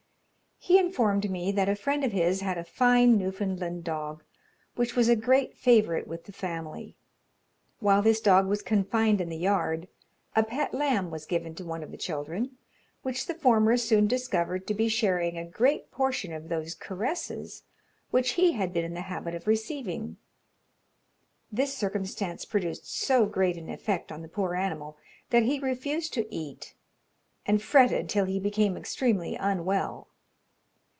He informed me that a friend of his had a fine Newfoundland dog, which was a great favourite with the family. While this dog was confined in the yard, a pet lamb was given to one of the children, which the former soon discovered to be sharing a great portion of those caresses which he had been in the habit of receiving. This circumstance produced so great an effect on the poor animal, that he refused to eat, and fretted till he became extremely unwell.